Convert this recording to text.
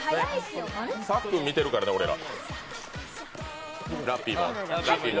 さっくん見てるからね、俺ら。